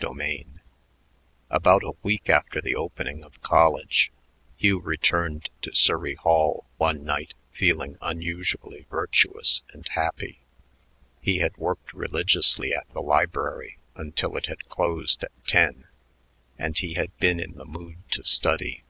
CHAPTER VI About a week after the opening of college, Hugh returned to Surrey Hall one night feeling unusually virtuous and happy. He had worked religiously at the library until it had closed at ten, and he had been in the mood to study.